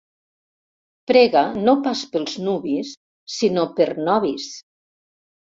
Prega no pas pels nuvis sinó per nobis.